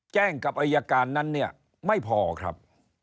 กับอายการนั้นเนี่ยไม่พอครับ